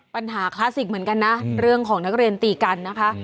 คลาสสิกเหมือนกันนะเรื่องของนักเรียนตีกันนะคะ